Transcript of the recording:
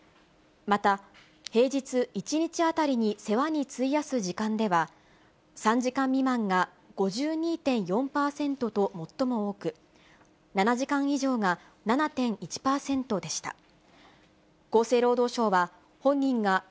また平日１日当たりに世話に費やす時間では３時間未満が５２．４％と最も多く、７時間以上が７．１％でした。